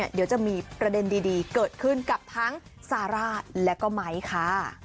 เดี๋ยวจะมีประเด็นดีเกิดขึ้นกับทั้งซาร่าแล้วก็ไม้ค่ะ